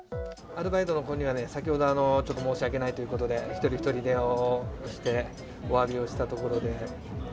あるバイトの子にはね、先ほど、ちょっと申し訳ないということで、一人一人電話をして、おわびをしたところで。